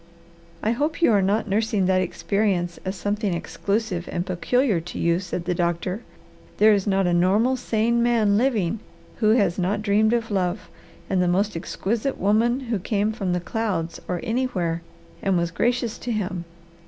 "I hope you are not nursing that experience as something exclusive and peculiar to you," said the doctor. "There is not a normal, sane man living who has not dreamed of love and the most exquisite woman who came from the clouds or anywhere and was gracious to him.